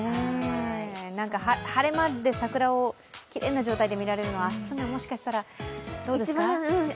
晴れ間で桜をきれいな状態で見られるのは明日がもしかしたら、どうですか？